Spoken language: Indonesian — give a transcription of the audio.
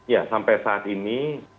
ya sampai saat ini